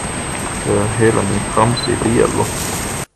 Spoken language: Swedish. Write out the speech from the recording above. Det är hela min framtid det gäller.